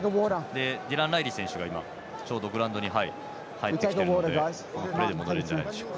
ディラン・ライリー選手がちょうど、グラウンドに入ってきているのでこのプレーで戻るんじゃないでしょうか。